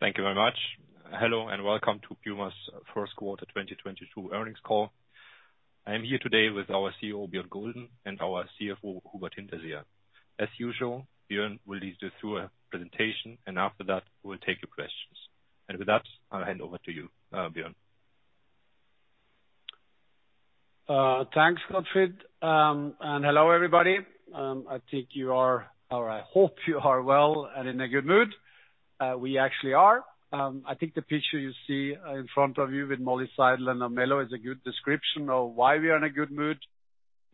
Thank you very much. Hello, and welcome to PUMA's Q1 2022 earnings call. I am here today with our CEO, Björn Gulden, and our CFO, Hubert Hinterseher. As usual, Björn will lead you through a presentation, and after that, we'll take your questions. With that, I'll hand over to you, Björn. Thanks, Gottfried. Hello, everybody. I think you are, or I hope you are well and in a good mood. We actually are. I think the picture you see in front of you with Molly Seidel and LaMelo Ball is a good description of why we are in a good mood.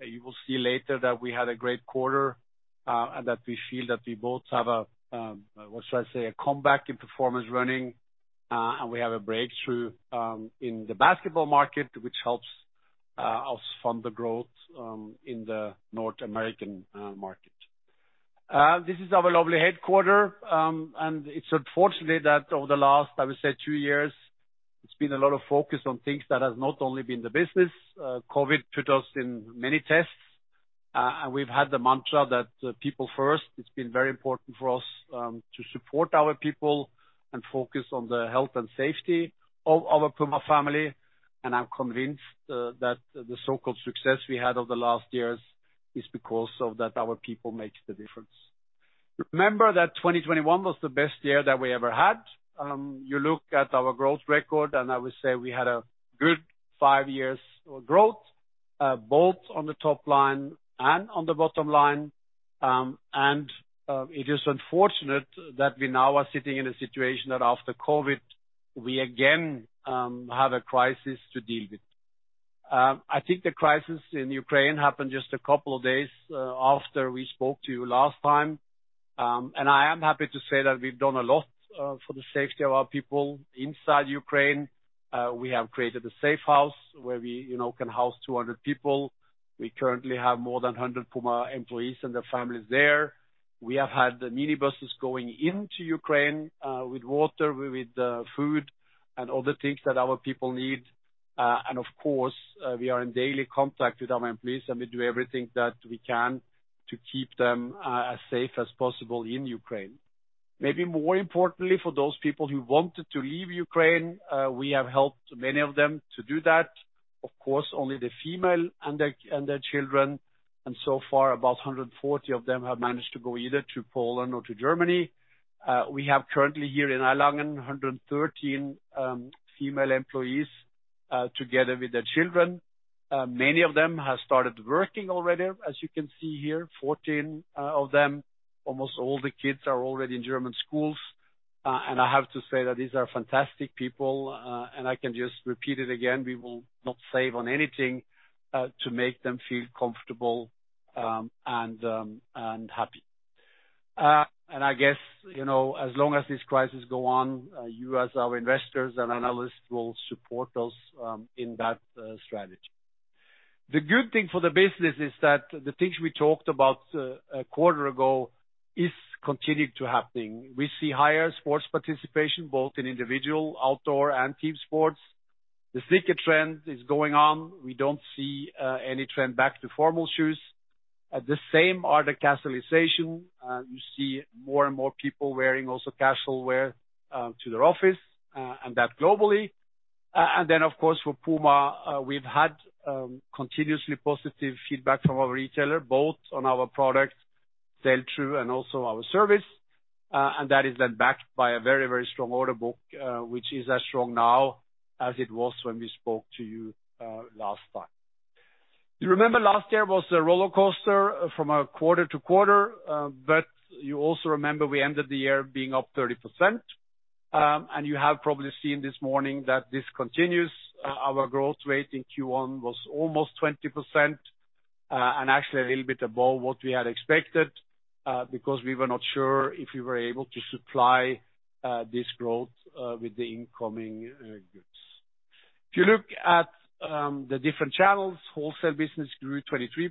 You will see later that we had a great quarter, and that we feel that we both have a, what should I say, a comeback in performance running, and we have a breakthrough in the basketball market, which helps us fund the growth in the North American market. This is our lovely headquarters. It's unfortunate that over the last, I would say, two years, it's been a lot of focus on things that have not only been the business. COVID put us in many tests, and we've had the mantra that people first. It's been very important for us to support our people and focus on the health and safety of our PUMA family. I'm convinced that the so-called success we had over the last years is because of that our people makes the difference. Remember that 2021 was the best year that we ever had. You look at our growth record, and I would say we had a good five years of growth both on the top line and on the bottom line. It is unfortunate that we now are sitting in a situation that after COVID, we again have a crisis to deal with. I think the crisis in Ukraine happened just a couple of days after we spoke to you last time. I am happy to say that we've done a lot for the safety of our people inside Ukraine. We have created a safe house where we, you know, can house 200 people. We currently have more than 100 PUMA employees and their families there. We have had the minibuses going into Ukraine with water, with food, and other things that our people need. Of course, we are in daily contact with our employees, and we do everything that we can to keep them as safe as possible in Ukraine. Maybe more importantly, for those people who wanted to leave Ukraine, we have helped many of them to do that. Of course, only the females and their children. So far, about 140 of them have managed to go either to Poland or to Germany. We have currently here in Ukraine 113 female employees together with their children. Many of them have started working already. As you can see here, 14 of them. Almost all the kids are already in German schools. I have to say that these are fantastic people. I can just repeat it again, we will not save on anything to make them feel comfortable and happy. I guess, you know, as long as this crisis go on, you as our investors and analysts will support us in that strategy. The good thing for the business is that the things we talked about a quarter ago is continued to happening. We see higher sports participation, both in individual, outdoor and team sports. The sneaker trend is going on. We don't see any trend back to formal shoes. The same are the casualization. You see more and more people wearing also casual wear to their office, and that globally. Then, of course, for PUMA, we've had continuously positive feedback from our retailer, both on our products sell through and also our service. That is then backed by a very, very strong order book, which is as strong now as it was when we spoke to you last time. You remember last year was a rollercoaster from a quarter to quarter, but you also remember we ended the year being up 30%. You have probably seen this morning that this continues. Our growth rate in Q1 was almost 20%, and actually a little bit above what we had expected, because we were not sure if we were able to supply this growth with the incoming goods. If you look at the different channels, wholesale business grew 23%.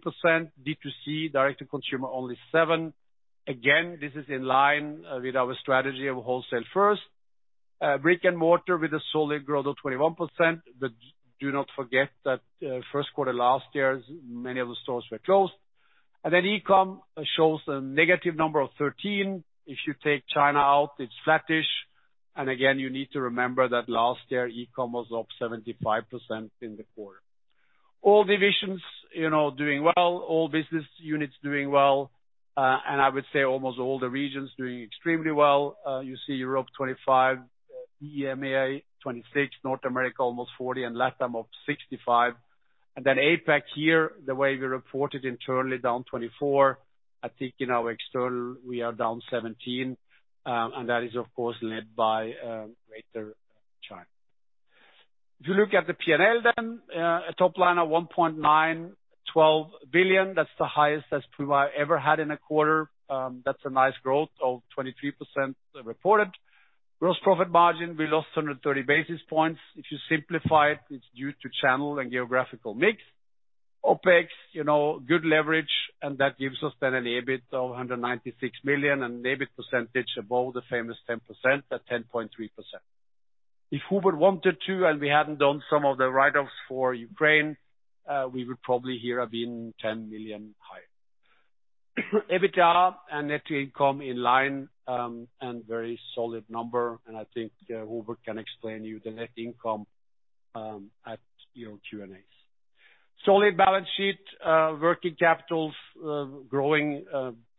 D2C, direct-to-consumer, only 7%. Again, this is in line with our strategy of wholesale first. Brick and mortar with a solid growth of 21%. But do not forget that first quarter last year, many of the stores were closed. Then e-com shows a negative number of 13%. If you take China out, it's flattish. You need to remember that last year, e-com was up 75% in the quarter. All divisions, you know, doing well, all business units doing well. I would say almost all the regions doing extremely well. You see Europe 25%, EMEA 26%, North America almost 40%, and LATAM up 65%. APAC here, the way we report it internally, down 24%. I think in our external, we are down 17%. That is, of course, led by Greater China. If you look at the P&L, a top line of 1.912 billion. That's the highest that PUMA ever had in a quarter. That's a nice growth of 23% reported. Gross profit margin, we lost 130 basis points. If you simplify it's due to channel and geographical mix. OpEx, you know, good leverage, and that gives us then an EBIT of 196 million and an EBIT percentage above the famous 10% at 10.3%. If Hubert wanted to, and we hadn't done some of the write-offs for Ukraine, we would probably here have been 10 million higher. EBITDA and net income in line, and very solid number, and I think, Hubert can explain you the net income, at your Q&As. Solid balance sheet, working capitals, growing,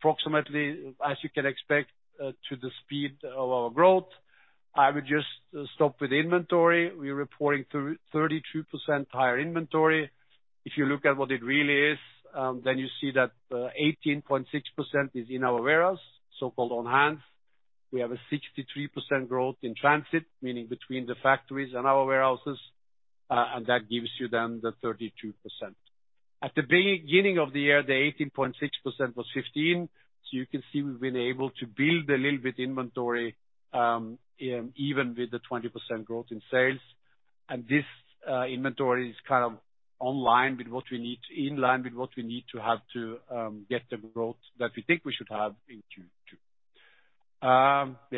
approximately as you can expect, to the speed of our growth. I would just stop with inventory. We're reporting 32% higher inventory. If you look at what it really is, then you see that, 18.6% is in our warehouse, so-called on-hand. We have a 63% growth in transit, meaning between the factories and our warehouses, and that gives you then the 32%. At the beginning of the year, the 18.6% was 15%. You can see we've been able to build a little bit inventory even with the 20% growth in sales. This inventory is kind of in line with what we need to have to get the growth that we think we should have in Q2.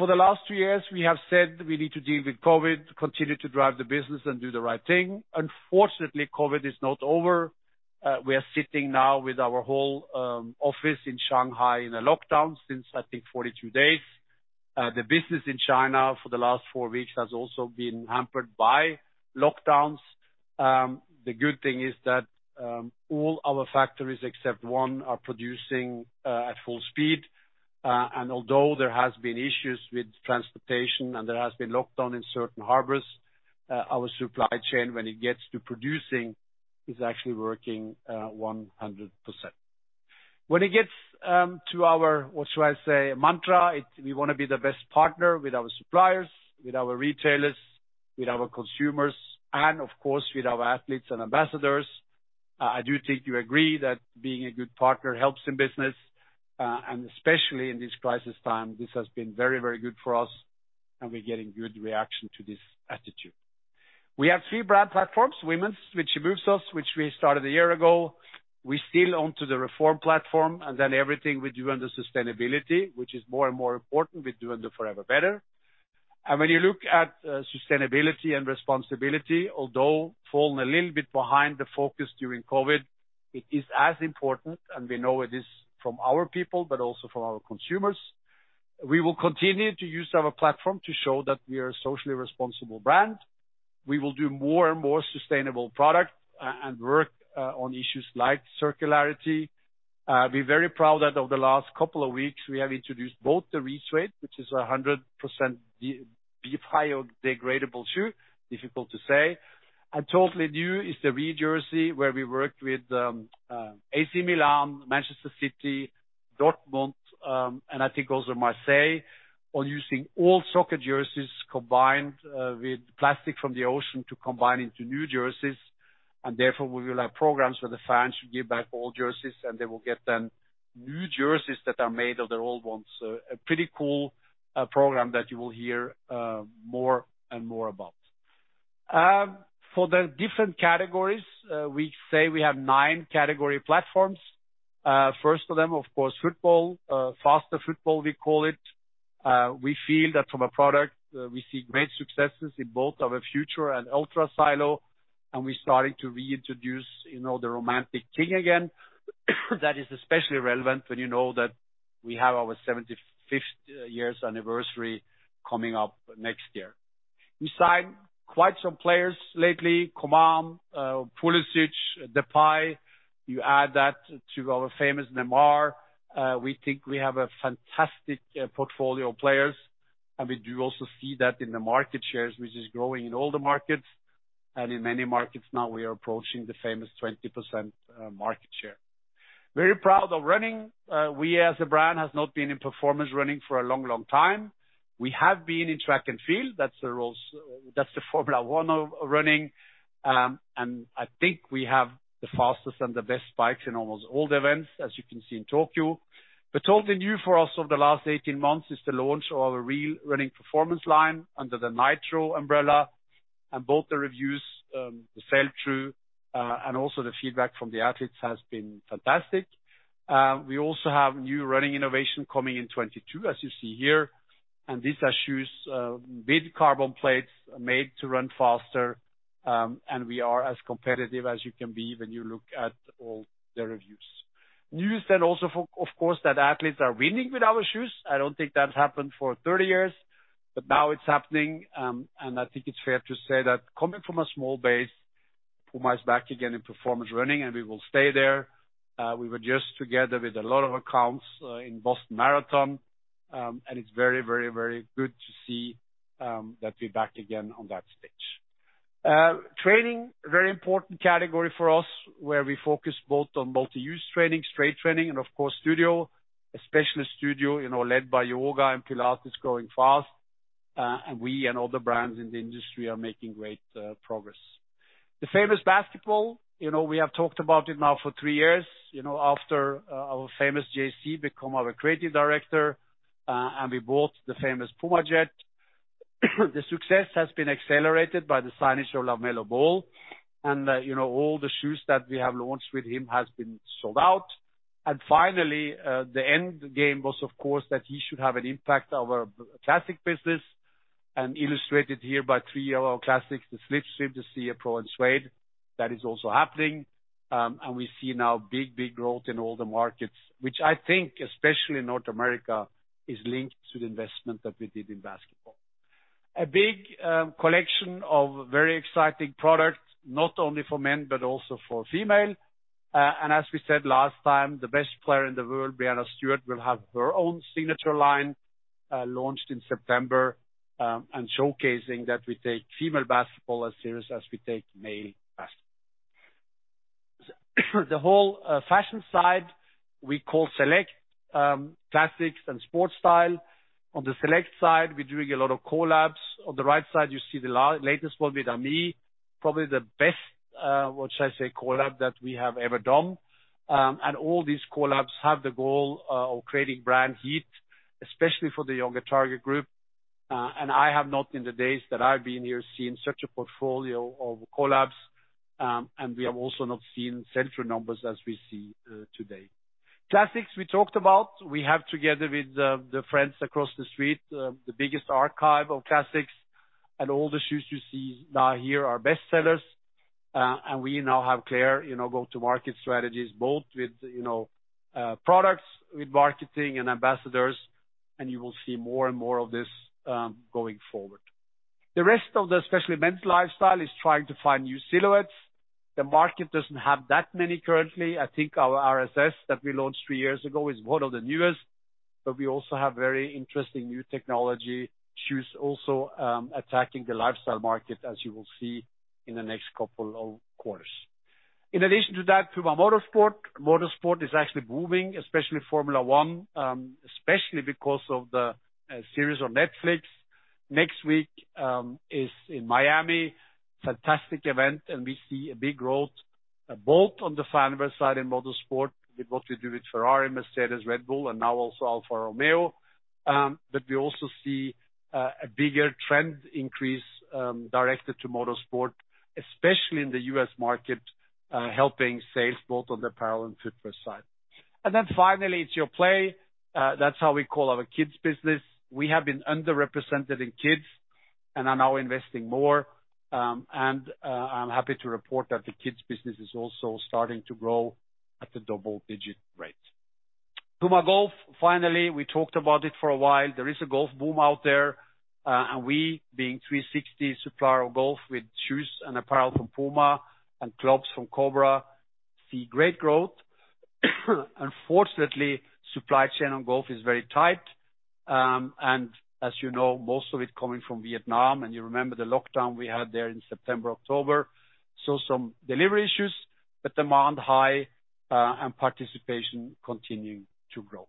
For the last two years, we have said we need to deal with COVID to continue to drive the business and do the right thing. Unfortunately, COVID is not over. We are sitting now with our whole office in Shanghai in a lockdown since, I think, 42 days. The business in China for the last four weeks has also been hampered by lockdowns. The good thing is that all our factories, except one, are producing at full speed. Although there has been issues with transportation and there has been lockdown in certain harbors, our supply chain, when it gets to producing, is actually working 100%. When it gets to our, what should I say, mantra, we wanna be the best partner with our suppliers, with our retailers, with our consumers, and of course, with our athletes and ambassadors. I do think you agree that being a good partner helps in business, and especially in this crisis time, this has been very, very good for us, and we're getting good reaction to this attitude. We have three brand platforms, women's, She Moves Us, which we started a year ago. We're still onto the Reform platform, and then everything we do under sustainability, which is more and more important, we do under Forever Better. When you look at sustainability and responsibility, although falling a little bit behind the focus during COVID, it is as important, and we know it is from our people, but also from our consumers. We will continue to use our platform to show that we are a socially responsible brand. We will do more and more sustainable product and work on issues like circularity. We're very proud that over the last couple of weeks, we have introduced both the RE:SUEDE, which is 100% biodegradable shoe, difficult to say. Totally new is the RE:JERSEY, where we worked with AC Milan, Manchester City, Dortmund, and I think also Marseille, on using old soccer jerseys combined with plastic from the ocean to combine into new jerseys. Therefore, we will have programs where the fans should give back old jerseys, and they will get then new jerseys that are made of their old ones. A pretty cool program that you will hear more and more about. For the different categories, we say we have nine category platforms. First of them, of course, football, faster football, we call it. We feel that from a product, we see great successes in both our FUTURE and ULTRA silo, and we're starting to reintroduce, you know, the romantic KING again. That is especially relevant when you know that we have our 75th years anniversary coming up next year. We signed quite some players lately, Coman, Pulisic, Depay. You add that to our famous Neymar. We think we have a fantastic portfolio of players, and we do also see that in the market shares, which is growing in all the markets. In many markets now, we are approaching the famous 20% market share. Very proud of running. We as a brand has not been in performance running for a long, long time. We have been in track and field. That's the Formula One of running. I think we have the fastest and the best spikes in almost all the events, as you can see in Tokyo. Totally new for us over the last 18 months is the launch of a real running performance line under the NITRO umbrella. Both the reviews, the sell-through, and also the feedback from the athletes has been fantastic. We also have new running innovation coming in 2022, as you see here. These are shoes, with carbon plates made to run faster, and we are as competitive as you can be when you look at all the reviews. Good news then also for, of course, the athletes are winning with our shoes. I don't think that's happened for 30 years, but now it's happening, and I think it's fair to say that coming from a small base, PUMA is back again in performance running, and we will stay there. We were just together with a lot of accounts in Boston Marathon, and it's very good to see that we're back again on that stage. Training, very important category for us, where we focus both on multi-use training, strength training, and of course, studio, especially studio, you know, led by yoga and Pilates growing fast, and we and other brands in the industry are making great progress. The famous basketball, you know, we have talked about it now for three years. You know, after our famous Jay-Z become our creative director, and we bought the famous PUMA Jet. The success has been accelerated by the signing of LaMelo Ball. You know, all the shoes that we have launched with him has been sold out. Finally, the end game was, of course that he should have an impact on our classic business, and illustrated here by three of our classics, the Slipstream, the CA Pro, and Suede. That is also happening. We see now big, big growth in all the markets, which I think, especially in North America, is linked to the investment that we did in basketball. A big collection of very exciting products, not only for men, but also for female. As we said last time, the best player in the world, Breanna Stewart, will have her own signature line, launched in September, and showcasing that we take female basketball as serious as we take male basketball. The whole fashion side, we call select classics and sports style. On the select side, we're doing a lot of collabs. On the right side, you see the latest one with AMI, probably the best, or should I say collab that we have ever done. All these collabs have the goal of creating brand heat, especially for the younger target group. I have not, in the days that I've been here, seen such a portfolio of collabs, and we have also not seen central numbers as we see today. Classics we talked about. We have together with the friends across the street the biggest archive of classics, and all the shoes you see now, here are bestsellers. We now have clear, you know, go-to-market strategies, both with, you know, products with marketing and ambassadors, and you will see more and more of this, going forward. The rest of the, especially men's lifestyle, is trying to find new silhouettes. The market doesn't have that many currently. I think our RS-X that we launched three years ago is one of the newest, but we also have very interesting new technology shoes also, attacking the lifestyle market, as you will see in the next couple of quarters. In addition to that, PUMA Motorsport. Motorsport is actually booming, especially Formula One, especially because of the series on Netflix. Next week is in Miami. Fantastic event, and we see a big growth, both on the fanboy side in Motorsport with what we do with Ferrari, Mercedes, Red Bull, and now also Alfa Romeo. We also see a bigger trend increase directed to motorsport, especially in the U.S. market, helping sales both on the apparel and footwear side. Then finally, it's Your Play. That's how we call our kids business. We have been underrepresented in kids and are now investing more, and I'm happy to report that the kids business is also starting to grow at a double-digit rate. PUMA Golf, finally. We talked about it for a while. There is a golf boom out there, and we being 360 supplier of golf with shoes and apparel from PUMA and clubs from Cobra, see great growth. Unfortunately, supply chain on golf is very tight, and as you know, most of it coming from Vietnam, and you remember the lockdown we had there in September, October. Some delivery issues, but demand high, and participation continuing to grow.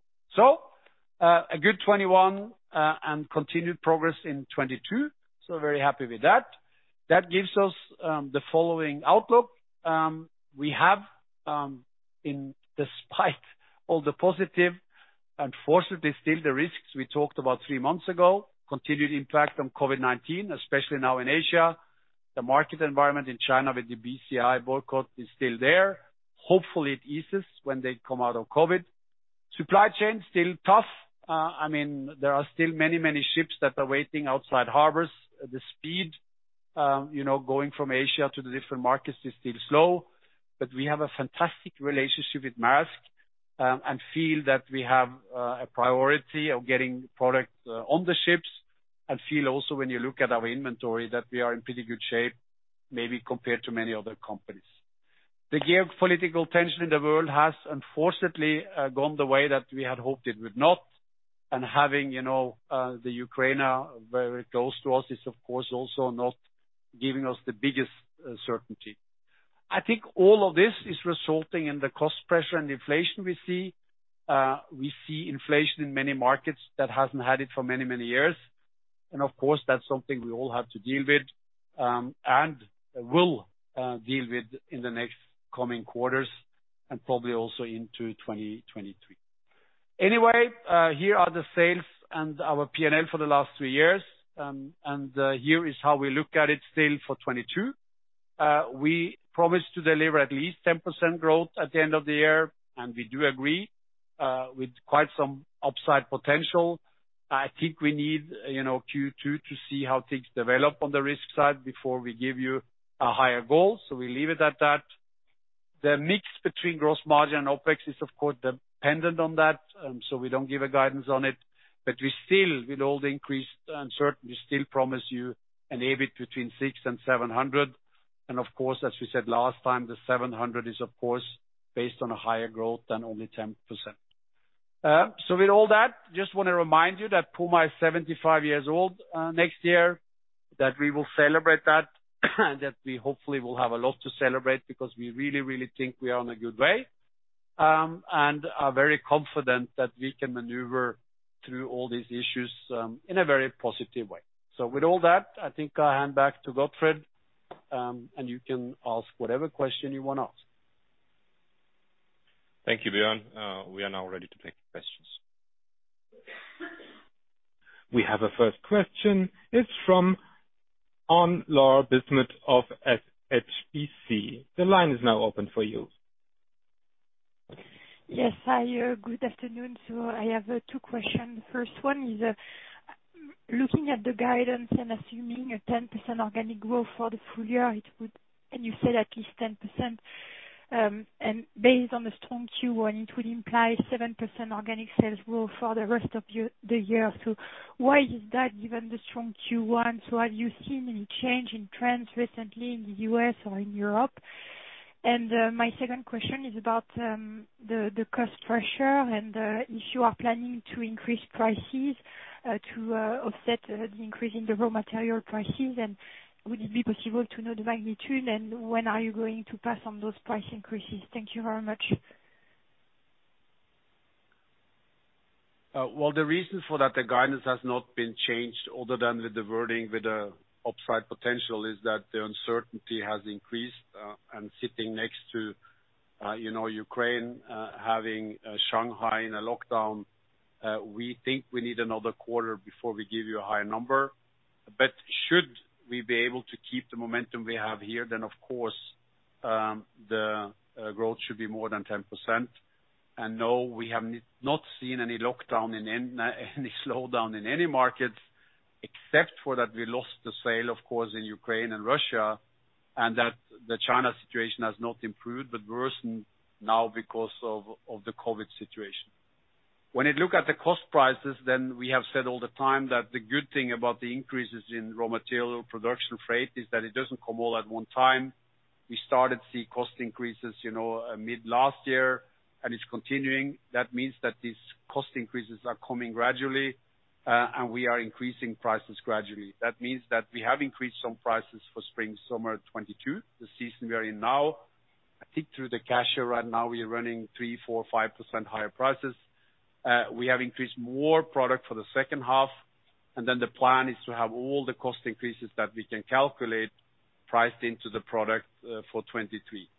A good 2021, and continued progress in 2022, very happy with that. That gives us the following outlook. We have, despite all the positive, unfortunately still the risks we talked about three months ago, continued impact from COVID-19, especially now in Asia. The market environment in China with the BCI boycott is still there. Hopefully, it eases when they come out of COVID. Supply chain still tough. I mean, there are still many, many ships that are waiting outside harbors. The speed, you know, going from Asia to the different markets is still slow, but we have a fantastic relationship with Maersk, and feel that we have a priority of getting product on the ships. Feel also when you look at our inventory that we are in pretty good shape, maybe compared to many other companies. The geopolitical tension in the world has unfortunately gone the way that we had hoped it would not. Having, you know, the Ukraine very close to us is, of course, also not giving us the biggest certainty. I think all of this is resulting in the cost pressure and inflation we see. We see inflation in many markets that hasn't had it for many, many years. Of course, that's something we all have to deal with, and will deal with in the next coming quarters, and probably also into 2023. Anyway, here are the sales and our P&L for the last three years, and here is how we look at it still for 2022. We promised to deliver at least 10% growth at the end of the year, and we do agree with quite some upside potential. I think we need, you know, Q2 to see how things develop on the risk side before we give you a higher goal. We leave it at that. The mix between gross margin and OpEx is of course dependent on that, so we don't give a guidance on it. We still, with all the increased uncertainty, still promise you an EBIT between 600-700. Of course, as we said last time, the 700 is of course based on a higher growth than only 10%. With all that, just want to remind you that PUMA is 75 years old next year, that we will celebrate that, and that we hopefully will have a lot to celebrate because we really think we are on a good way, and are very confident that we can maneuver through all these issues in a very positive way. I think I'll hand back to Gottfried, and you can ask whatever question you want to ask. Thank you, Björn. We are now ready to take questions. We have a first question. It's from Anne-Laure Bismuth of HSBC. The line is now open for you. Yes, hi, good afternoon. I have two questions. First one is looking at the guidance and assuming a 10% organic growth for the full year, it would you said at least 10%, and based on the strong Q1, it would imply 7% organic sales growth for the rest of the year. Why is that, given the strong Q1? Have you seen any change in trends recently in the U.S. or in Europe? My second question is about the cost pressure and if you are planning to increase prices to offset the increase in the raw material prices, and would it be possible to know the magnitude and when are you going to pass on those price increases? Thank you very much. Well, the reason for that, the guidance has not been changed other than with the wording with the upside potential is that the uncertainty has increased, and sitting next to, you know, Ukraine, having Shanghai in a lockdown, we think we need another quarter before we give you a higher number. Should we be able to keep the momentum we have here, then of course, the growth should be more than 10%. No, we have not seen any lockdown in any slowdown in any market, except that we lost the sales, of course, in Ukraine and Russia, and that the China situation has not improved, but worsened now because of the COVID situation. When you look at the cost prices, then we have said all the time that the good thing about the increases in raw material production freight is that it doesn't come all at one time. We started to see cost increases, you know, mid last year, and it's continuing. That means that these cost increases are coming gradually, and we are increasing prices gradually. That means that we have increased some prices for spring summer 2022, the season we are in now. I think through the calendar year right now we are running 3%-5% higher prices. We have increased more product for the H2, and then the plan is to have all the cost increases that we can calculate priced into the product, for 2023.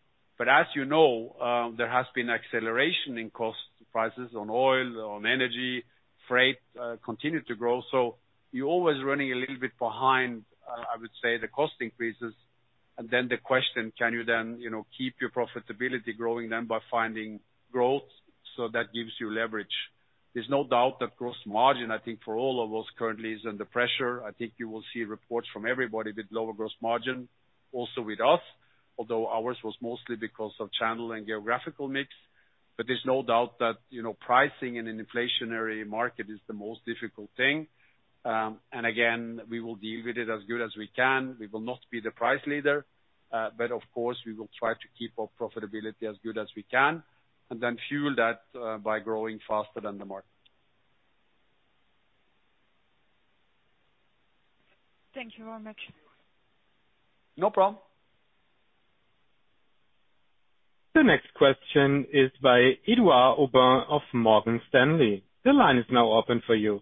As you know, there has been acceleration in cost prices on oil, on energy, freight, continued to grow. You're always running a little bit behind, I would say, the cost increases. Then the question, can you then, you know, keep your profitability growing then by finding growth, so that gives you leverage? There's no doubt that gross margin, I think for all of us currently is under pressure. I think you will see reports from everybody with lower gross margin, also with us, although ours was mostly because of channel and geographical mix. There's no doubt that, you know, pricing in an inflationary market is the most difficult thing. Again, we will deal with it as good as we can. We will not be the price leader, but of course we will try to keep our profitability as good as we can, and then fuel that by growing faster than the market. Thank you very much. No problem. The next question is by Edouard Aubin of Morgan Stanley. The line is now open for you.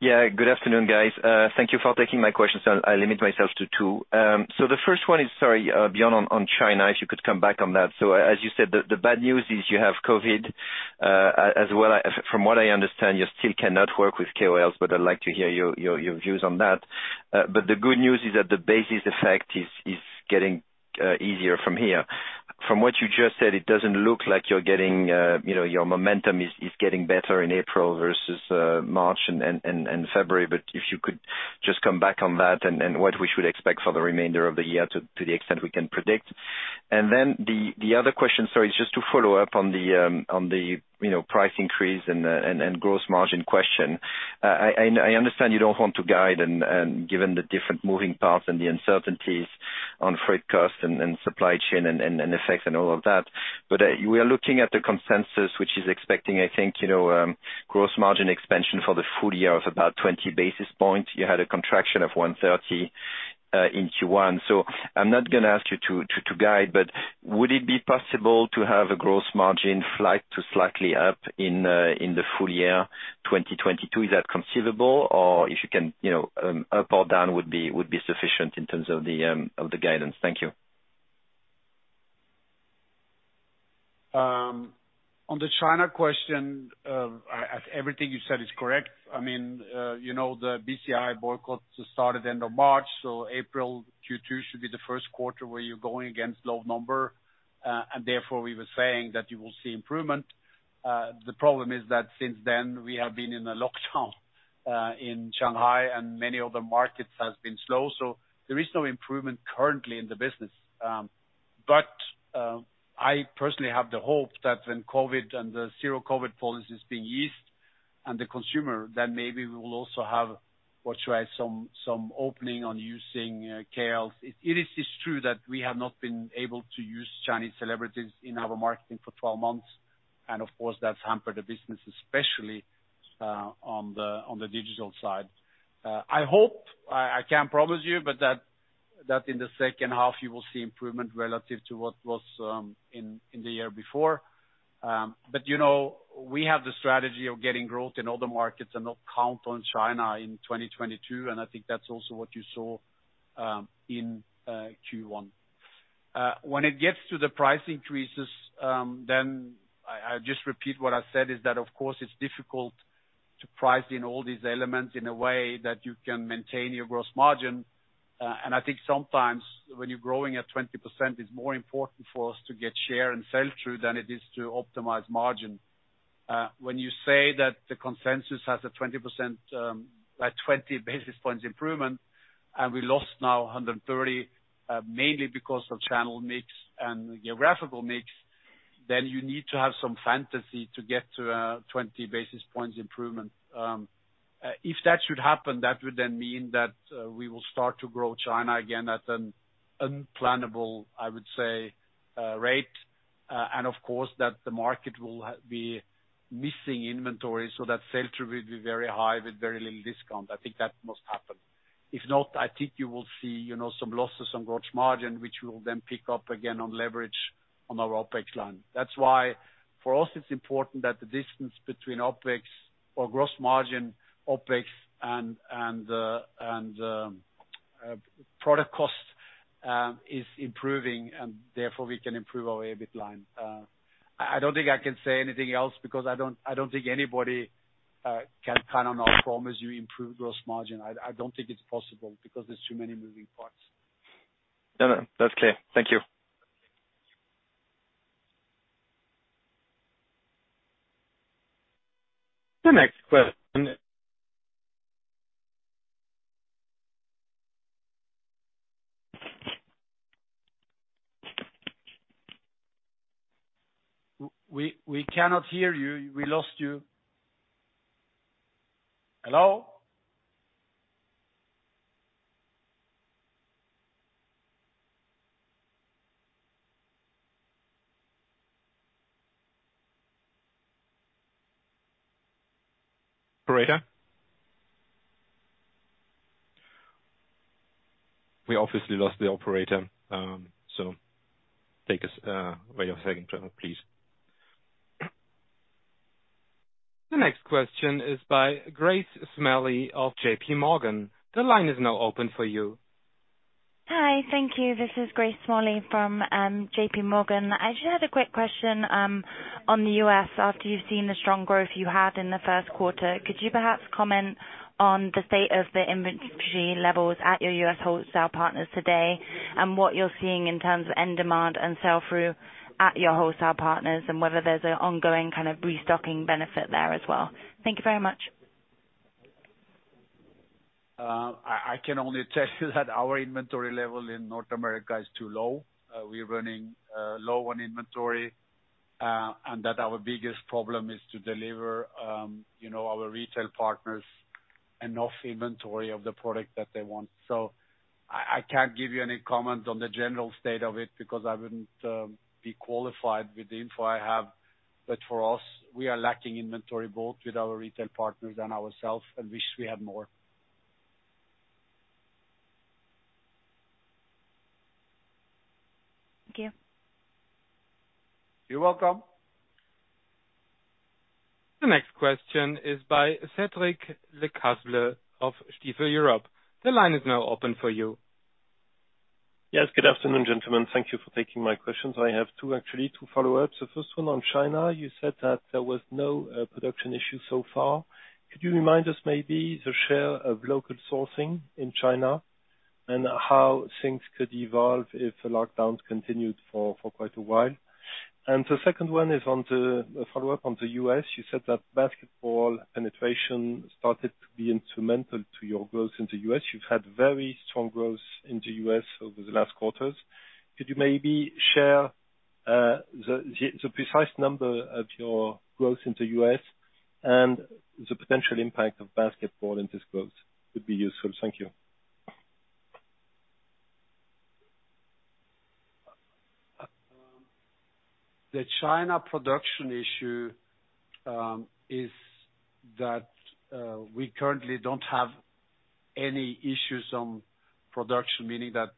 Yeah, good afternoon, guys. Thank you for taking my questions. I'll limit myself to two. The first one is, sorry, back on China, if you could come back on that. As you said, the bad news is you have COVID, as well as from what I understand, you still cannot work with KOLs, but I'd like to hear your views on that. The good news is that the base effect is getting easier from here. From what you just said, it doesn't look like you're getting your momentum is getting better in April versus March and February. If you could just come back on that and what we should expect for the remainder of the year to the extent we can predict. Then the other question, sorry, is just to follow up on the, you know, price increase and gross margin question. I understand you don't want to guide and given the different moving parts and the uncertainties on freight costs and supply chain and effects and all of that. We are looking at the consensus which is expecting, I think, you know, gross margin expansion for the full year of about 20 basis points. You had a contraction of 130 in Q1. I'm not gonna ask you to guide, but would it be possible to have a gross margin flat to slightly up in the full year 2022? Is that conceivable? If you can, you know, up or down would be sufficient in terms of the guidance. Thank you. On the China question, everything you said is correct. I mean, you know, the BCI boycott started end of March, so April Q2 should be the Q1 where you're going against low number, and therefore we were saying that you will see improvement. The problem is that since then, we have been in a lockdown in Shanghai and many other markets has been slow. There is no improvement currently in the business. I personally have the hope that when COVID and the zero COVID policy is being eased and the consumer, then maybe we will also have, what should I say, some opening on using KOLs. It is, it's true that we have not been able to use Chinese celebrities in our marketing for 12 months, and of course that's hampered the business, especially on the digital side. I hope I can't promise you, but that in the H2 you will see improvement relative to what was in the year before. You know, we have the strategy of getting growth in other markets and not count on China in 2022, and I think that's also what you saw in Q1. When it gets to the price increases, then I just repeat what I said is that of course it's difficult to price in all these elements in a way that you can maintain your gross margin. I think sometimes when you're growing at 20%, it's more important for us to get share and sell through than it is to optimize margin. When you say that the consensus has a 20 basis points improvement, and we lost now 130, mainly because of channel mix and geographical mix, then you need to have some fantasy to get to 20 basis points improvement. If that should happen, that would then mean that we will start to grow China again at an unplannable, I would say, rate. Of course, the market will be missing inventory, so that sell-through will be very high with very little discount. I think that must happen. If not, I think you will see, you know, some losses on gross margin, which will then pick up again on leverage on our OpEx line. That's why for us it's important that the distance between OpEx or gross margin OpEx and product cost is improving, and therefore we can improve our EBIT line. I don't think I can say anything else because I don't think anybody can kind of now promise you improved gross margin. I don't think it's possible because there's too many moving parts. No, no, that's clear. Thank you. The next question. We cannot hear you. We lost you. Hello? Operator? We obviously lost the operator, so take us where you were saying, Trevor, please. The next question is by Grace Smalley of JPMorgan. The line is now open for you. Hi. Thank you. This is Grace Smalley from JPMorgan. I just had a quick question on the U.S. After you've seen the strong growth you had in the first quarter, could you perhaps comment on the state of the inventory levels at your U.S. wholesale partners today and what you're seeing in terms of end demand and sell-through at your wholesale partners and whether there's an ongoing kind of restocking benefit there as well? Thank you very much. I can only tell you that our inventory level in North America is too low. We're running low on inventory, and that our biggest problem is to deliver, you know, our retail partners enough inventory of the product that they want. I can't give you any comment on the general state of it because I wouldn't be qualified with the info I have. For us, we are lacking inventory both with our retail partners and ourselves and wish we had more. Thank you. You're welcome. The next question is by Cedric Lecasble of Stifel Europe. The line is now open for you. Yes, good afternoon, gentlemen. Thank you for taking my questions. I have two, actually, follow-ups. The first one on China, you said that there was no production issue so far. Could you remind us maybe the share of local sourcing in China and how things could evolve if the lockdowns continued for quite a while? The second one is on a follow-up on the U.S.. You said that basketball penetration started to be instrumental to your growth in the U.S.. You've had very strong growth in the U.S. over the last quarters. Could you maybe share the precise number of your growth in the U.S. and the potential impact of basketball in this growth would be useful. Thank you. The China production issue is that we currently don't have any issues on production, meaning that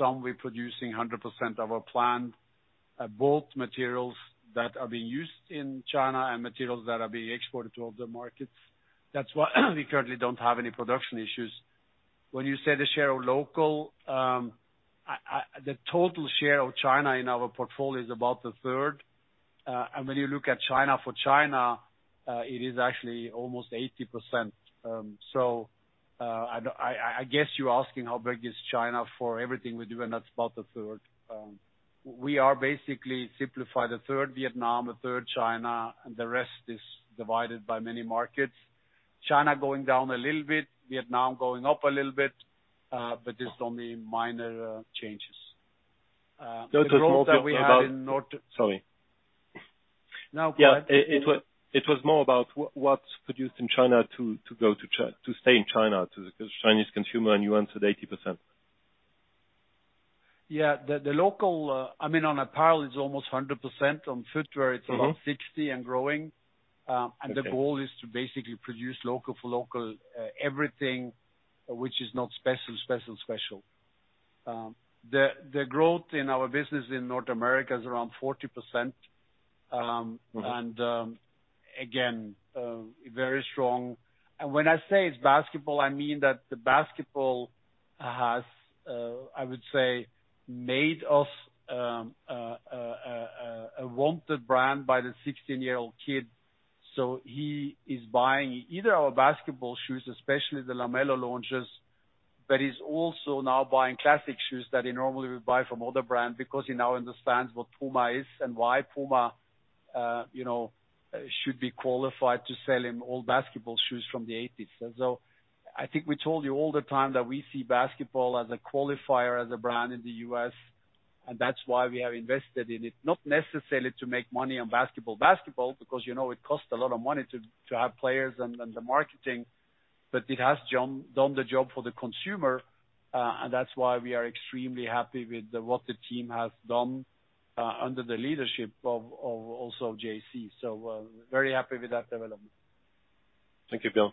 we're producing 100% of our plan, both materials that are being used in China and materials that are being exported to other markets. That's why we currently don't have any production issues. When you say the share of local, the total share of China in our portfolio is about a third. When you look at China for China, it is actually almost 80%. I guess you're asking how big is China for everything we do, and that's about a third. We are basically a third Vietnam, a third China, and the rest is divided by many markets. China going down a little bit, Vietnam going up a little bit, but it's only minor changes. No, it was more. Sorry. Yeah. Now go ahead, sorry. It was more about what's produced in China to stay in China to the Chinese consumer, and you answered 80%. Yeah. I mean, on apparel it's almost 100%. On footwear it's about 60% and growing. The goal is to basically produce local for local, everything which is not special. The growth in our business in North America is around 40%. Very strong. When I say it's basketball, I mean that the basketball has, I would say, made us a wanted brand by the 16-year-old kid. He is buying either our basketball shoes, especially the LaMelo launches, but he's also now buying classic shoes that he normally would buy from other brand because he now understands what PUMA is and why PUMA, you know, should be qualified to sell him old basketball shoes from the 1980s. I think we told you all the time that we see basketball as a qualifier, as a brand in the U.S., and that's why we have invested in it. Not necessarily to make money on basketball, because, you know it costs a lot of money to have players and the marketing. It has done the job for the consumer, and that's why we are extremely happy with what the team has done, under the leadership of also Jay-Z. Very happy with that development. Thank you, Björn.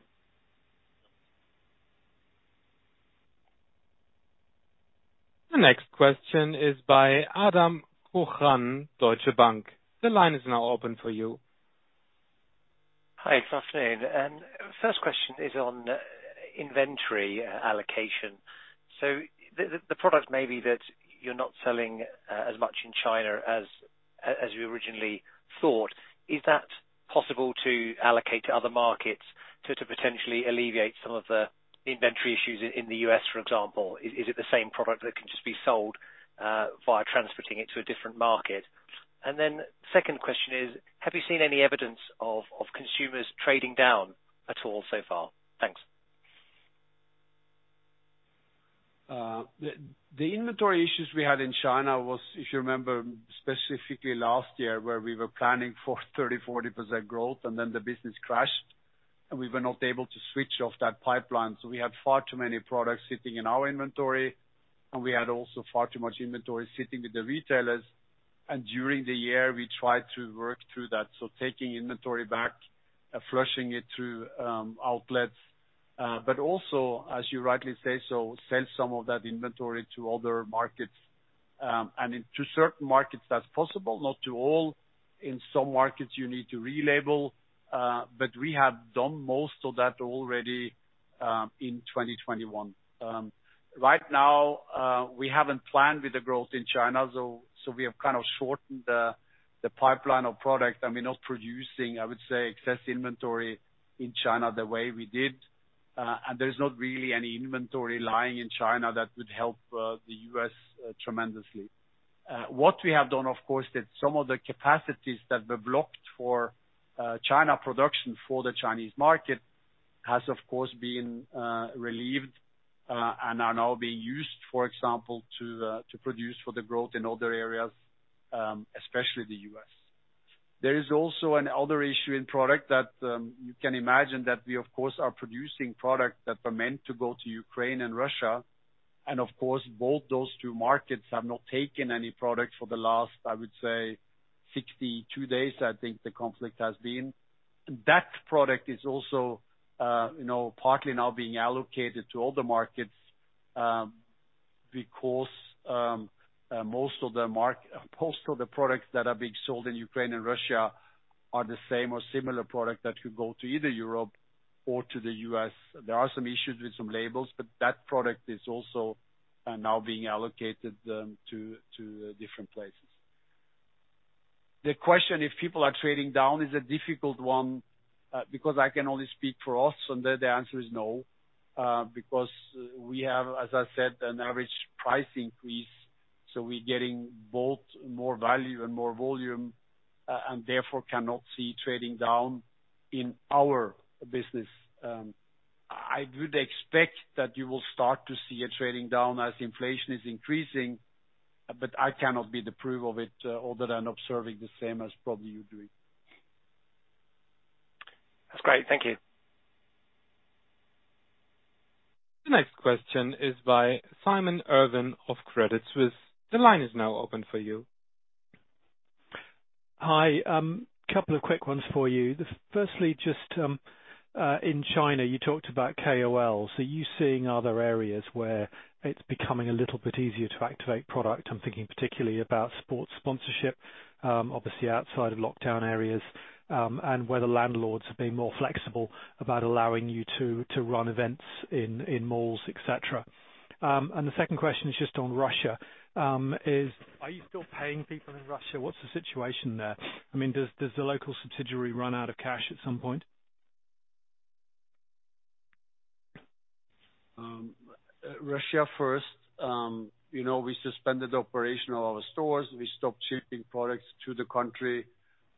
The next question is by Adam Cochrane, Deutsche Bank. The line is now open for you. Hi. Good afternoon. First question is on inventory allocation. The product may be that you're not selling as much in China as you originally thought. Is that possible to allocate to other markets to potentially alleviate some of the inventory issues in the U.S., for example? Is it the same product that can just be sold via transporting it to a different market? Then second question is, have you seen any evidence of consumers trading down at all so far? Thanks. The inventory issues we had in China was, if you remember, specifically last year where we were planning for 30%-40% growth and then the business crashed, and we were not able to switch off that pipeline. We had far too many products sitting in our inventory, and we had also far too much inventory sitting with the retailers. During the year, we tried to work through that, so taking inventory back and flushing it through outlets. But also, as you rightly say, so sell some of that inventory to other markets, and to certain markets that's possible, not to all. In some markets, you need to relabel, but we have done most of that already, in 2021. Right now, we haven't planned with the growth in China, so we have kind of shortened the pipeline of product. We're not producing, I would say, excess inventory in China the way we did. There's not really any inventory lying in China that would help the U.S. tremendously. What we have done, of course, is some of the capacities that were blocked for China production for the Chinese market has, of course, been relieved and are now being used, for example, to produce for the growth in other areas, especially the U.S. There is also another issue in product that you can imagine that we, of course, are producing products that were meant to go to Ukraine and Russia. Of course, both those two markets have not taken any product for the last 62 days, I think the conflict has been. That product is also, you know, partly now being allocated to all the markets, because most of the products that are being sold in Ukraine and Russia are the same or similar product that could go to either Europe or to the U.S. There are some issues with some labels, but that product is also now being allocated to different places. The question if people are trading down is a difficult one, because I can only speak for us, and there the answer is no. Because we have, as I said, an average price increase, so we're getting both more value and more volume, and therefore cannot see trading down in our business. I would expect that you will start to see a trading down as inflation is increasing, but I cannot be the proof of it other than observing the same as probably you doing. That's great. Thank you. The next question is by Simon Irwin of Credit Suisse. The line is now open for you. Hi. Couple of quick ones for you. Firstly, just in China, you talked about KOLs. Are you seeing other areas where it's becoming a little bit easier to activate product? I'm thinking particularly about sports sponsorship, obviously outside of lockdown areas, and whether landlords are being more flexible about allowing you to run events in malls, et cetera. The second question is just on Russia. Are you still paying people in Russia? What's the situation there? I mean, does the local subsidiary run out of cash at some point? Russia first. You know, we suspended operation of our stores. We stopped shipping products to the country.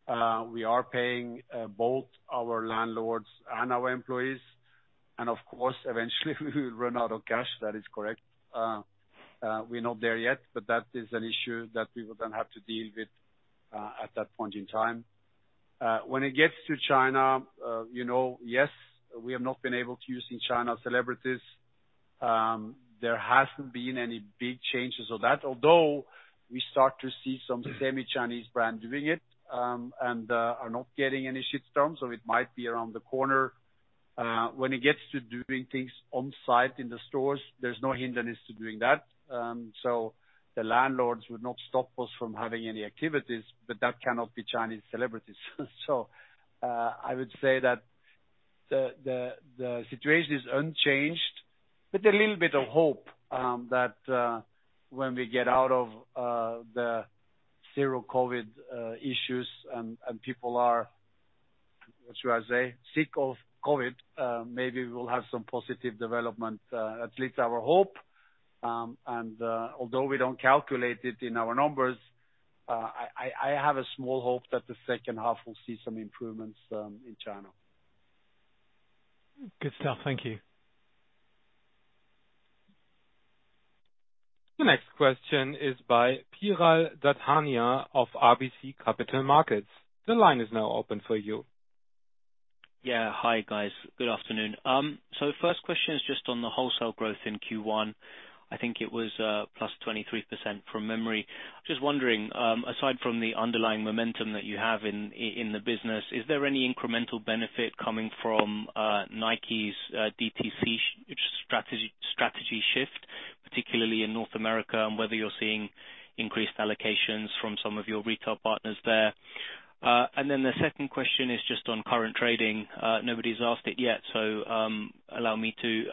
We are paying both our landlords and our employees, and of course, eventually we will run out of cash. That is correct. We're not there yet, that is an issue that we will then have to deal with at that point in time. When it gets to China, you know, yes, we have not been able to use in China celebrities. There hasn't been any big changes of that. Although we start to see some semi-Chinese brand doing it, and are not getting any shit storms, so it might be around the corner. When it gets to doing things on site in the stores, there's no hindrance to doing that. The landlords would not stop us from having any activities, but that cannot be Chinese celebrities. I would say that the situation is unchanged, but a little bit of hope that when we get out of the zero COVID issues and people are, what should I say, sick of COVID, maybe we'll have some positive development. At least our hope, and although we don't calculate it in our numbers, I have a small hope that the second half will see some improvements in China. Good stuff. Thank you. The next question is by Piral Dadhania of RBC Capital Markets. The line is now open for you. Yeah. Hi, guys. Good afternoon. First question is just on the wholesale growth in Q1. I think it was plus 23% from memory. Just wondering, aside from the underlying momentum that you have in the business, is there any incremental benefit coming from Nike's DTC strategy shift, particularly in North America and whether you're seeing increased allocations from some of your retail partners there. Then the second question is just on current trading. Nobody's asked it yet, so allow me to.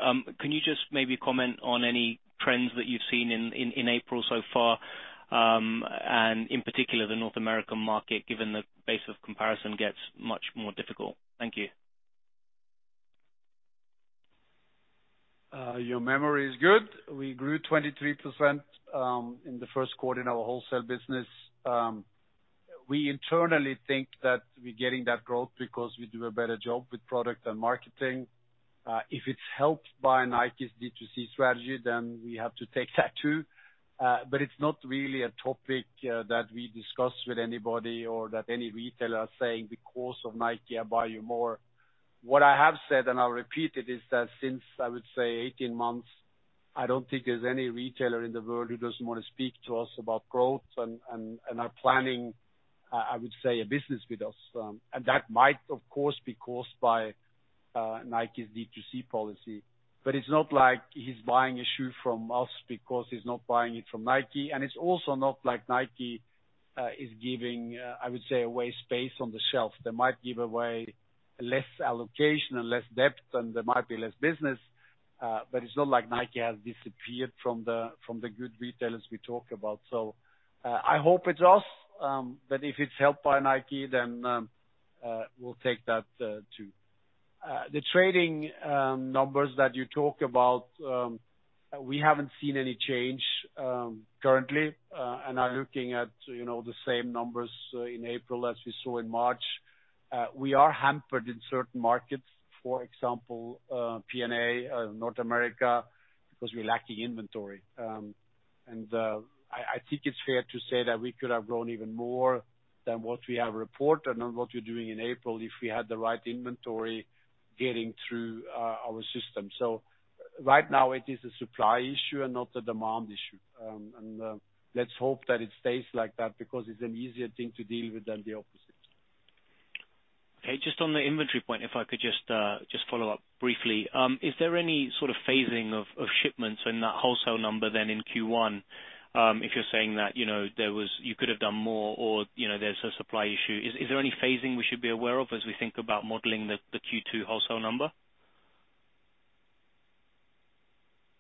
Can you just maybe comment on any trends that you've seen in April so far, and in particular the North American market, given the base of comparison gets much more difficult? Thank you. Your memory is good. We grew 23% in the Q1 in our wholesale business. We internally think that we're getting that growth because we do a better job with product and marketing. If it's helped by Nike's D2C strategy, then we have to take that too. But it's not really a topic that we discuss with anybody or that any retailer are saying, because of Nike, I buy you more. What I have said, and I'll repeat it, is that since I would say 18 months, I don't think there's any retailer in the world who doesn't want to speak to us about growth and are planning, I would say, a business with us. That might, of course, be caused by Nike's D2C policy. It's not like he's buying a shoe from us because he's not buying it from Nike. It's also not like Nike is giving, I would say, away space on the shelf. They might give away less allocation and less depth, and there might be less business, but it's not like Nike has disappeared from the good retailers we talk about. I hope it's us, but if it's helped by Nike, then we'll take that, too. The trading numbers that you talk about, we haven't seen any change, currently, and are looking at, you know, the same numbers, in April as we saw in March. We are hampered in certain markets, for example, PNA, North America, because we're lacking inventory. I think it's fair to say that we could have grown even more than what we have reported on what we're doing in April if we had the right inventory getting through our system. Right now it is a supply issue and not a demand issue. Let's hope that it stays like that because it's an easier thing to deal with than the opposite. Okay. Just on the inventory point, if I could just follow up briefly. Is there any sort of phasing of shipments in that wholesale number then in Q1? If you're saying that, you know, you could have done more or, you know, there's a supply issue. Is there any phasing we should be aware of as we think about modeling the Q2 wholesale number?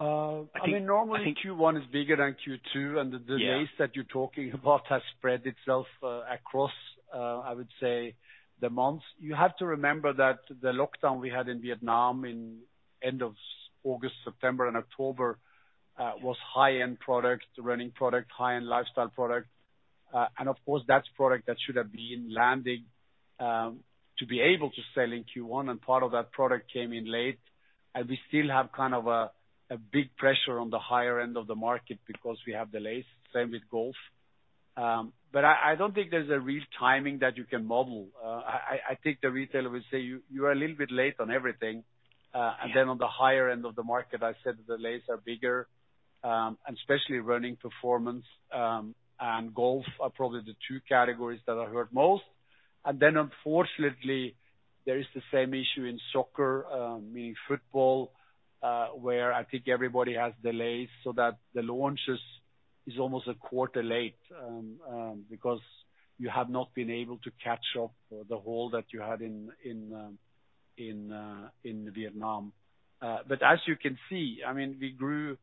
I mean, normally Q1 is bigger than Q2, and the delays that you're talking about have spread itself across, I would say, the months. You have to remember that the lockdown we had in Vietnam in end of August, September and October was high-end product, running product, high-end lifestyle product. Of course, that's product that should have been landing to be able to sell in Q1 and part of that product came in late. We still have kind of a big pressure on the higher end of the market because we have delays. Same with golf. I don't think there's a real timing that you can model. I think the retailer will say you are a little bit late on everything. On the higher end of the market, I said the delays are bigger, and especially running performance and golf are probably the two categories that are hurt most. Unfortunately, there is the same issue in soccer, meaning football, where I think everybody has delays so that the launches is almost a quarter late, because you have not been able to catch up the hole that you had in Vietnam. As you can see, I mean, we grew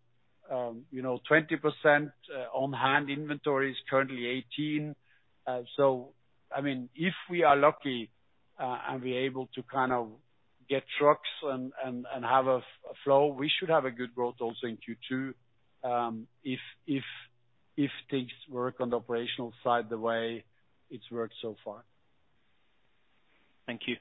20% on hand inventories, currently 18%. I mean, if we are lucky and we're able to kind of get trucks and have a flow, we should have a good growth also in Q2, if things work on the operational side the way it's worked so far. Thank you.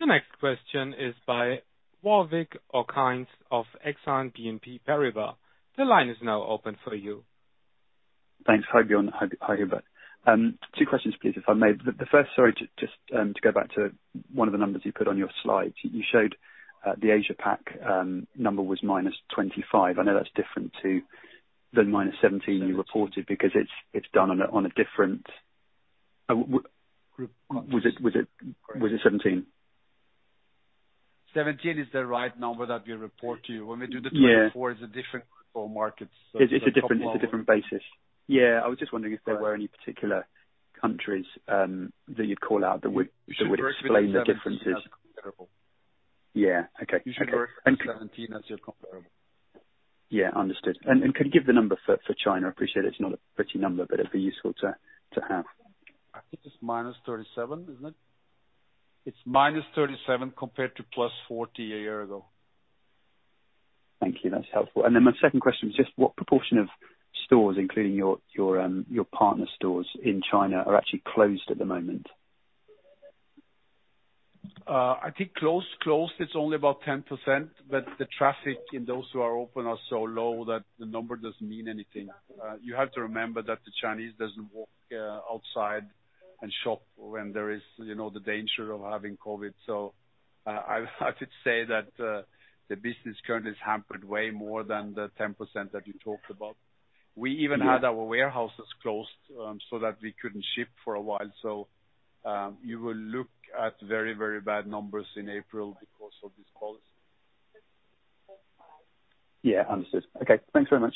The next question is by Warwick Okines of Exane BNP Paribas. The line is now open for you. Thanks. Hi, Björn. Hi, Hubert. Two questions, please, if I may. The first to go back to one of the numbers you put on your slides. You showed the Asia/Pac number was -25%. I know that's different to than -17% you reported because it's done on a different. Group. Was it 17? 17 is the right number that we report to you. When we do the 2024, it's a different group for markets, so. It's a different basis. Yeah, I was just wondering if there were any particular countries that you'd call out that would explain the differences. You should work with 17 as comparable. Yeah. Okay. Okay. You should work with 17 as your comparable. Yeah, understood. Can you give the number for China? Appreciate it's not a pretty number, but it'd be useful to have. I think it's -37%, isn't it? It's -37% compared to +40% a year ago. Thank you. That's helpful. My second question was just what proportion of stores, including your partner stores in China, are actually closed at the moment? I think closed it's only about 10%, but the traffic in those who are open are so low that the number doesn't mean anything. You have to remember that the Chinese doesn't walk outside and shop when there is, you know, the danger of having COVID. I would say that the business currently is hampered way more than the 10% that you talked about. We even had our warehouses closed, so that we couldn't ship for a while. You will look at very, very bad numbers in April because of this policy. Yeah. Understood. Okay. Thanks very much.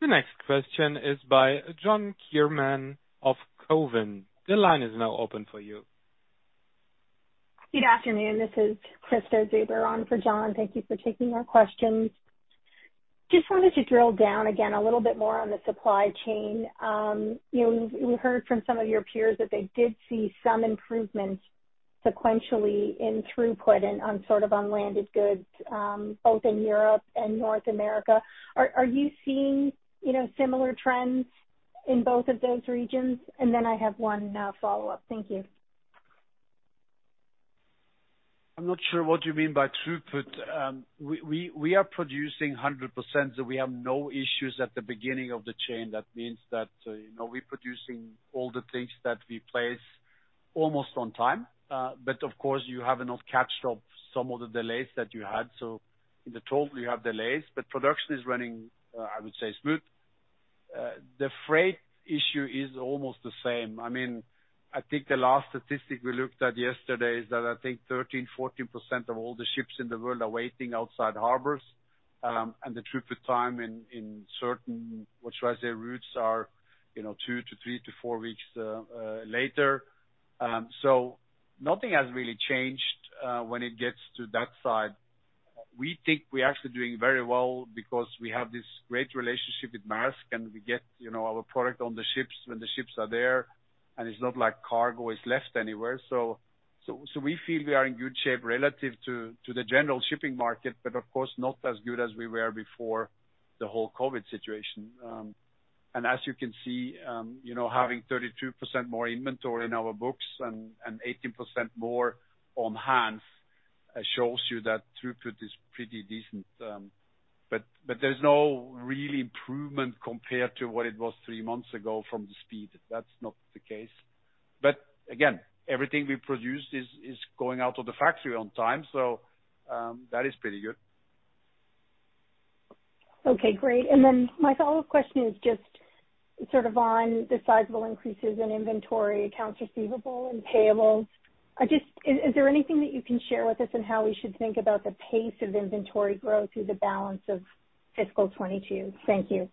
The next question is by John Kernan of Cowen. The line is now open for you. Good afternoon. This is Krista Zuber on for John. Thank you for taking our questions. Just wanted to drill down again a little bit more on the supply chain. You know, we heard from some of your peers that they did see some improvements sequentially in throughput and on sort of on landed goods, both in Europe and North America. Are you seeing, you know, similar trends in both of those regions? Then I have one follow-up. Thank you. I'm not sure what you mean by throughput. We are producing 100%, so we have no issues at the beginning of the chain. That means that, you know, we're producing all the things that we place almost on time. But of course you have not captured some of the delays that you had, so in the total you have delays. Production is running, I would say smooth. The freight issue is almost the same. I mean, I think the last statistic we looked at yesterday is that I think 13%-14% of all the ships in the world are waiting outside harbors. The throughput time in certain, what should I say, routes are, you know, two to three to 4fourweeks later. So nothing has really changed, when it gets to that side. We think we're actually doing very well because we have this great relationship with Maersk, and we get, you know, our product on the ships when the ships are there, and it's not like cargo is left anywhere. We feel we are in good shape relative to the general shipping market, but of course not as good as we were before the whole COVID situation. As you can see, you know, having 32% more inventory in our books and 18% more on-hand shows you that throughput is pretty decent. There's no real improvement compared to what it was three months ago from the speed. That's not the case. Again, everything we produce is going out of the factory on time. That is pretty good. Okay, great. My follow-up question is just sort of on the sizable increases in inventory, accounts receivable and payables. Is there anything that you can share with us on how we should think about the pace of inventory growth through the balance of fiscal 2022? Thank you.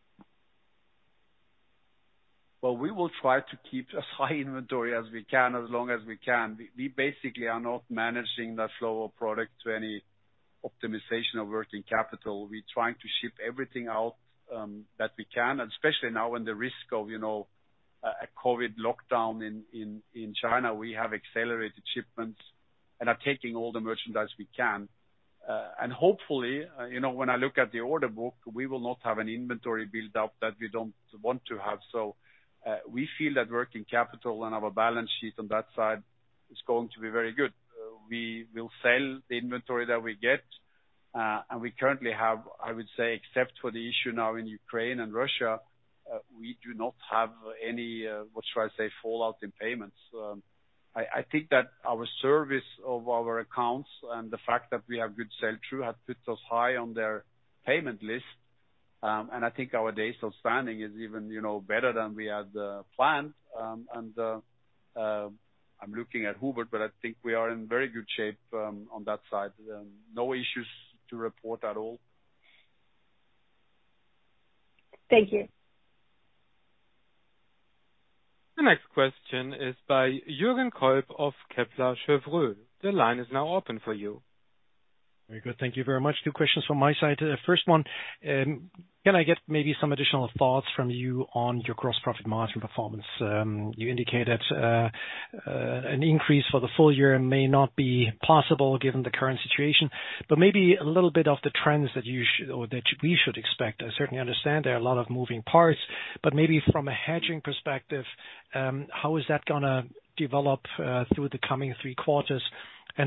We will try to keep as high inventory as we can, as long as we can. We basically are not managing the flow of product to any optimization of working capital. We're trying to ship everything out that we can, and especially now in the risk of, you know, a COVID lockdown in China. We have accelerated shipments and are taking all the merchandise we can. And hopefully, you know, when I look at the order book, we will not have an inventory build-up that we don't want to have. We feel that working capital and our balance sheet on that side is going to be very good. We will sell the inventory that we get, and we currently have, I would say, except for the issue now in Ukraine and Russia, we do not have any, what should I say, fallouts in payments. I think that our service of our accounts and the fact that we have good sell-through has put us high on their payment list. I think our days outstanding is even, you know, better than we had planned. I'm looking at Hubert, but I think we are in very good shape on that side. No issues to report at all. Thank you. The next question is by Jürgen Kolb of Kepler Cheuvreux. The line is now open for you. Very good. Thank you very much. Two questions from my side. First one, can I get maybe some additional thoughts from you on your gross profit margin performance? You indicated an increase for the full year may not be possible given the current situation. Maybe a little bit of the trends that we should expect. I certainly understand there are a lot of moving parts, but maybe from a hedging perspective, how is that gonna develop through the coming three quarters?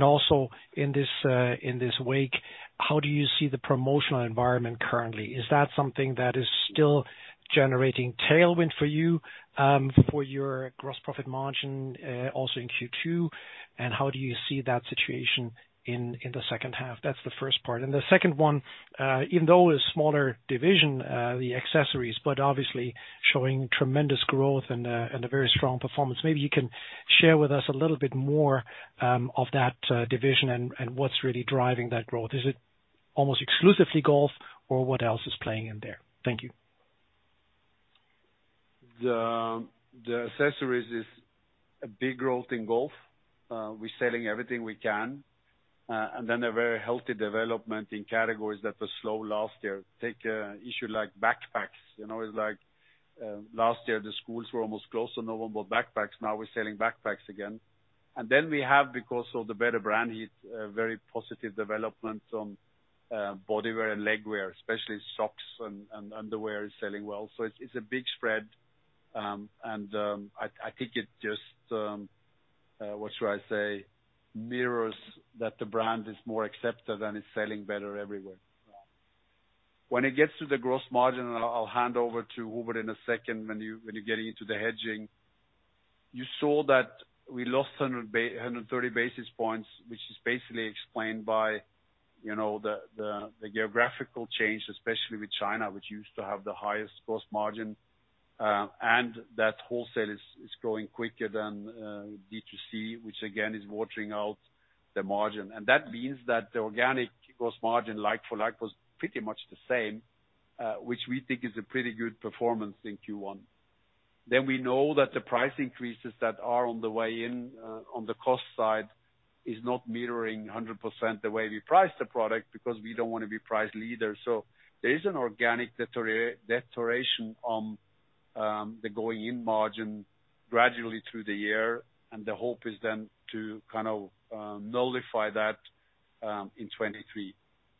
Also, in its wake, how do you see the promotional environment currently? Is that something that is still generating tailwind for you for your gross profit margin also in Q2? How do you see that situation in the H2? That's the first part. The second one, even though a smaller division, the accessories, but obviously showing tremendous growth and a very strong performance, maybe you can share with us a little bit more of that division and what's really driving that growth. Is it? Almost exclusively golf or what else is playing in there? Thank you. The accessories is a big growth in golf. We're selling everything we can. A very healthy development in categories that were slow last year. Take an issue like backpacks, you know. It's like, last year the schools were almost closed, so no one bought backpacks. Now we're selling backpacks again. We have, because of the better brand heat, a very positive development on body wear and leg wear, especially socks and underwear is selling well. It's a big spread. I think it just mirrors that the brand is more accepted and it's selling better everywhere. When it gets to the gross margin, I'll hand over to Hubert in a second when you're getting into the hedging. You saw that we lost 130 basis points, which is basically explained by, you know, the geographical change, especially with China, which used to have the highest gross margin. That wholesale is growing quicker than D2C, which again is watering down the margin. That means that the organic gross margin like for like was pretty much the same, which we think is a pretty good performance in Q1. We know that the price increases that are on the way in on the cost side is not mirroring 100% the way we price the product, because we don't wanna be price leaders. There is an organic deterioration on the going in margin gradually through the year, and the hope is then to kind of nullify that in 2023.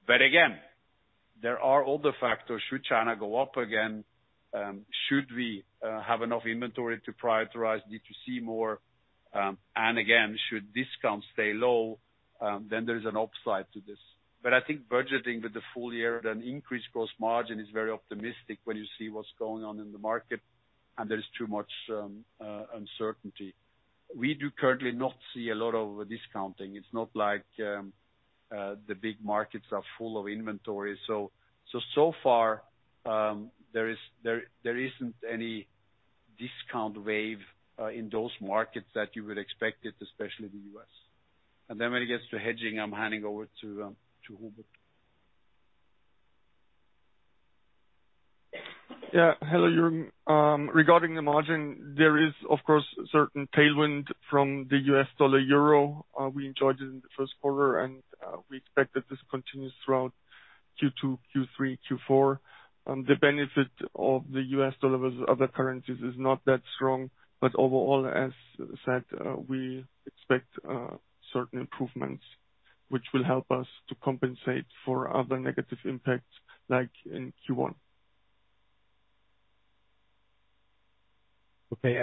Again, there are other factors, should China go up again, should we have enough inventory to prioritize D2C more, and again, should discounts stay low, then there's an upside to this. I think budgeting with the full year at an increased gross margin is very optimistic when you see what's going on in the market and there's too much uncertainty. We do currently not see a lot of discounting. It's not like the big markets are full of inventory. Far, there isn't any discount wave in those markets that you would expect it, especially the U.S. Then when it gets to hedging, I'm handing over to Hubert. Yeah. Hello, Jürgen. Regarding the margin, there is of course a certain tailwind from the U.S. dollar/euro. We enjoyed it in theQ1 and we expect that this continues throughout Q2, Q3, Q4. The benefit of the U.S. dollar versus other currencies is not that strong. Overall, as said, we expect certain improvements which will help us to compensate for other negative impacts like in Q1. Okay.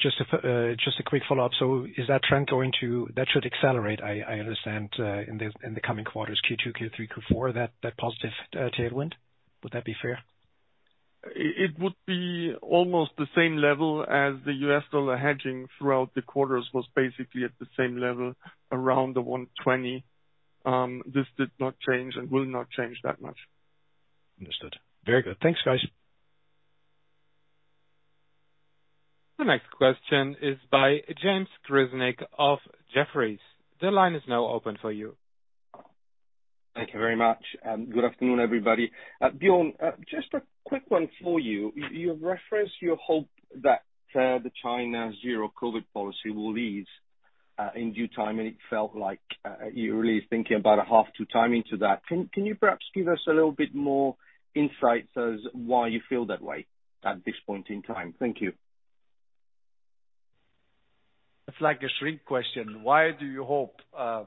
Just a quick follow-up. Is that trend that should accelerate, I understand, in the coming quarters, Q2, Q3, Q4, that positive tailwind? Would that be fair? It would be almost the same level as the U.S. dollar hedging throughout the quarters was basically at the same level, around 1.20. This did not change and will not change that much. Understood. Very good. Thanks, guys. The next question is by James Grzinic of Jefferies. The line is now open for you. Thank you very much. Good afternoon, everybody. Björn, just a quick one for you. You referenced your hope that the China zero-COVID policy will ease in due time, and it felt like you're really thinking about a half-year timing to that. Can you perhaps give us a little bit more insights as to why you feel that way at this point in time? Thank you. It's like a China question. Why do you hope? I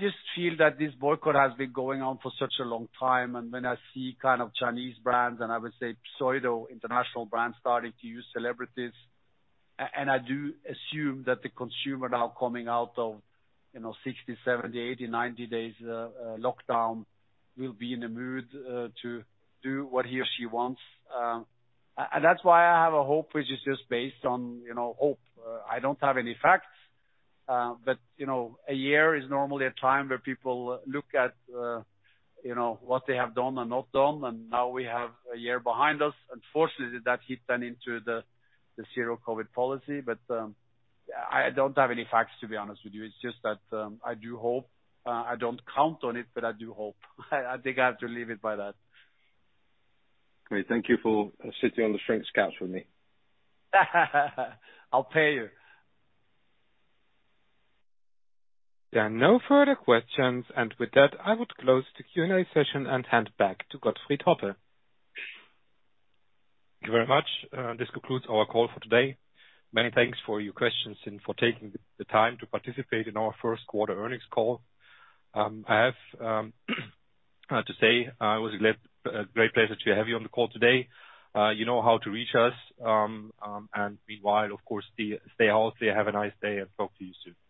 just feel that this boycott has been going on for such a long time, and when I see kind of Chinese brands, and I would say pseudo international brands starting to use celebrities. I do assume that the consumer now coming out of, you know, 60, 70, 80, 90 days lockdown will be in a mood to do what he or she wants. That's why I have a hope, which is just based on, you know, hope. I don't have any facts, but, you know, a year is normally a time where people look at, you know, what they have done and not done, and now we have a year behind us. Unfortunately, that hit then into the Zero COVID policy. I don't have any facts, to be honest with you. It's just that, I do hope. I don't count on it, but I do hope. I think I have to leave it at that. Great. Thank you for sitting on the shrink couch with me. I'll pay you. There are no further questions. With that, I would close the Q&A session and hand back to Gottfried Hoppe. Thank you very much. This concludes our call for today. Many thanks for your questions and for taking the time to participate in our Q1 earnings call. I have to say it was a great pleasure to have you on the call today. You know how to reach us. Meanwhile, of course, stay healthy. Have a nice day and talk to you soon.